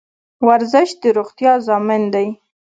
ورزش د روغتیا ضامن دی